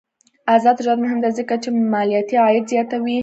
آزاد تجارت مهم دی ځکه چې مالیاتي عاید زیاتوي.